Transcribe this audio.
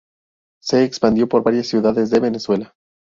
Se expandió por varias ciudades de Venezuela.